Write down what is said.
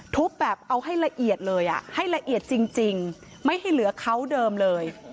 ทุบแบบเอาให้ละเอียดเลยอ่ะให้ละเอียดจริงไม่ให้เหลือเขาเดิมเลย